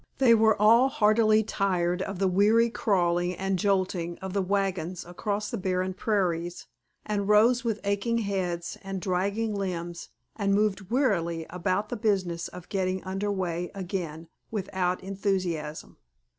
They were all heartily tired of the weary crawling and jolting of the wagons across the barren prairies, and rose with aching heads and dragging limbs and moved wearily about the business of getting under way again without enthusiasm.